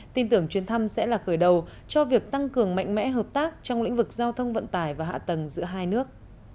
tin tưởng chuyến thăm sẽ là khởi đầu cho việc tăng cường mạnh mẽ hợp tác trong lĩnh vực giao thông vận tải và hạ tầng giữa hai nước